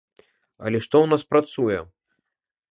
Але што ў нас працуе?